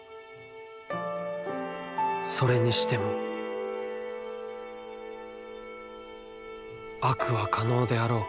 「それにしても悪は可能であろうか？」。